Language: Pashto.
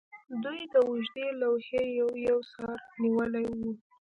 دوی د اوږدې لوحې یو یو سر نیولی و